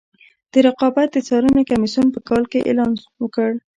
د رقابت د څارنې کمیسیون په کال کې اعلان وکړ.